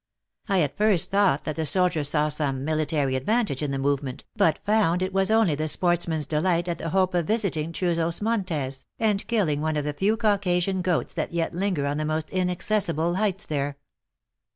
I at first thought that the soldier saw some military advantage in the movement, but found it was only the sportsman s delight at the hope of visit ing Truzos Montes, and killing one of the few Cau casian goats that yet linger on the most inaccessible heights there."